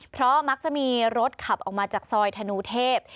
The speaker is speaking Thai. เพราะมักจะมีรถขับออกมาจากซอยธนูเทพ